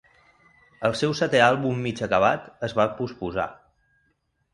El seu setè àlbum mig acabat es va posposar.